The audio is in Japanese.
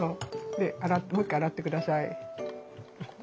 でもう一回洗ってください。